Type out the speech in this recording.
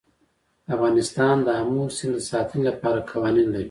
افغانستان د آمو سیند د ساتنې لپاره قوانین لري.